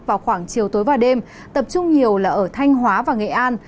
vào khoảng chiều tối và đêm tập trung nhiều là ở thanh hóa và nghệ an